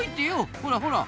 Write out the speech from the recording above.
ほらほら！